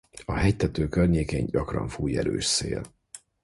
A hegytető környékén gyakran fúj erős szél.